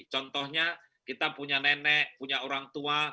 contohnya kita punya nenek punya orang tua